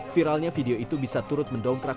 viralnya video itu bisa turut mendongkrak